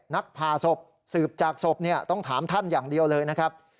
ผ่าศพสืบจากศพต้องถามท่านอย่างเดียวเลยนะครับ